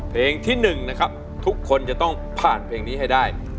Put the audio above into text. เพลงที่๑นะครับทุกคนจะต้องผ่านเพลงนี้ให้ได้